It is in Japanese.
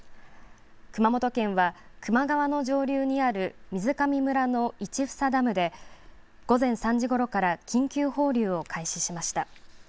熊本県は球磨川の上流にある水上村の市房ダムで午前３時ごろから緊急放流を開始しました。